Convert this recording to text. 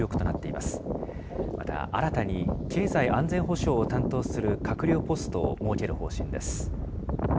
また、新たに経済安全保障を担当する閣僚ポストを設ける方針です。